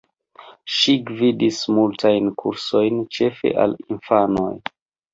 Ŝi gvidis multajn kursojn, ĉefe al infanoj.